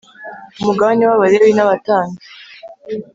Umugabane w Abalewi n abatambyi